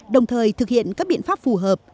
đồng thời thực hiện các biện pháp phù hợp